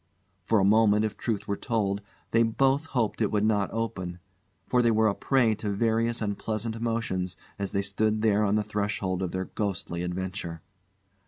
For a moment, if truth were told, they both hoped it would not open, for they were a prey to various unpleasant emotions as they stood there on the threshold of their ghostly adventure.